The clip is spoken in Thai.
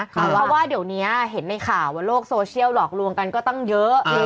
เพราะว่าเดี๋ยวนี้เห็นในข่าวว่าโลกโซเชียลหลอกลวงกันก็ตั้งเยอะ